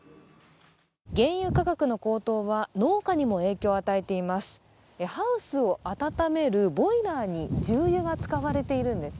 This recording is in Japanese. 原油価格の高騰は農家にも影響を与えています。